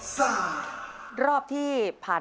สวัสดีครับ